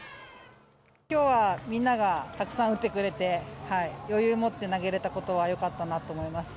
今日はみんながたくさん打ってくれて余裕持って投げれたことはよかったなと思いますし。